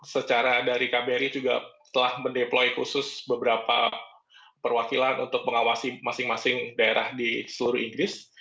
secara dari kbri juga telah mendeploy khusus beberapa perwakilan untuk mengawasi masing masing daerah di seluruh inggris